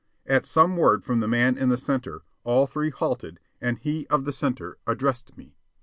At some word from the man in the centre, all three halted, and he of the centre addressed me.